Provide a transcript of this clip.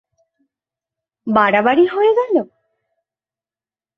বাড়াবাড়ি হয়ে গেল?